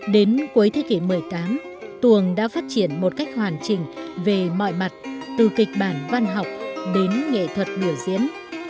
đến cuối thế kỷ một mươi tám tuồng đã phát triển một cách hoàn chỉnh về mọi mặt từ kịch bản văn học đến nghệ thuật biểu diễn